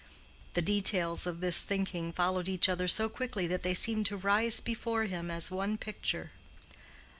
The details of this thinking followed each other so quickly that they seemed to rise before him as one picture.